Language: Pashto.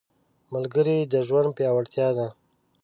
ملګری د ژوند پیاوړتیا ده